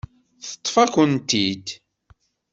Teṭṭef-ak-tent-id.